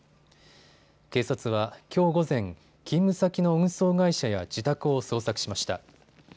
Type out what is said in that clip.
警察は、きょう午前、勤務先の運送会社や自宅を捜索しました。